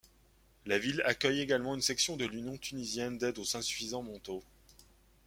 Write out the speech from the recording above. La ville accueille également une section de l'Union tunisienne d'aide aux insuffisants mentaux.